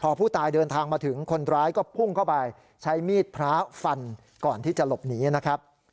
พอผู้ตายเดินทางมาถึงคนร้ายก็พุ่งเข้าไปใช้มีดพระฟันก่อนที่จะหลบหนีนะครับ